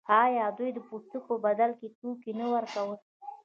آیا دوی د پوستکو په بدل کې توکي نه ورکول؟